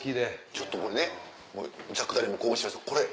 ちょっとこれねもうジャックダニエルも興奮しましたこれ。